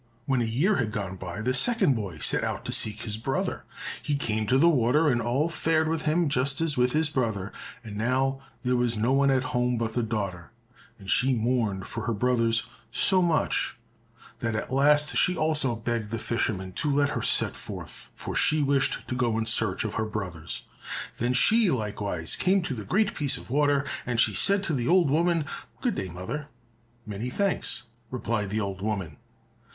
When a year had gone by, the second boy set out to seek his brother. He came to the water, and all fared with him just as with his brother. And now there was no one at home but the daughter, and she mourned for her brothers so much that at last she also begged the fisherman to let her set forth, for she wished to go in search of her brothers. Then she likewise came to the great piece of water, and she said to the old woman, "Good day, mother." "Many thanks," replied the old woman.